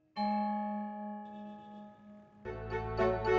ya pak sofyan